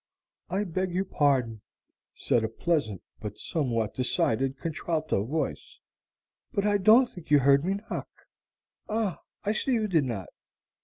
"I beg your pardon," said a pleasant but somewhat decided contralto voice, "but I don't think you heard me knock. Ah, I see you did not.